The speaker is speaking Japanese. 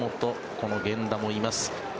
この源田もいます。